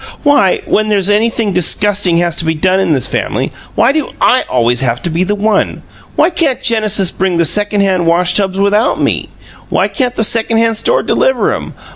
WHY, when there's anything disgusting has to be done in this family why do I always have to be the one? Why can't Genesis bring the second hand wash tubs without ME? Why can't the second hand store deliver 'em?